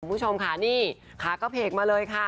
คุณผู้ชมค่ะนี่ขากระเพกมาเลยค่ะ